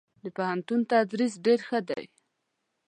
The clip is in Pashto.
دپوهنتون تدريس ډير ښه دی.